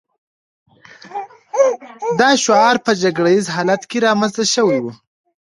دا شعار په جګړه ییز حالت کې رامنځته شوی و